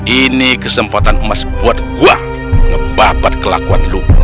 ini kesempatan emas buat gue ngebapat kelakuan lo